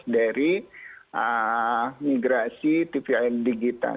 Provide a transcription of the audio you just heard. yang di release dari migrasi tv digital